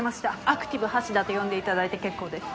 アクティブ橋田と呼んでいただいて結構です。